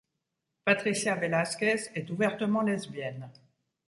Patricia Velásquez est ouvertement lesbienne.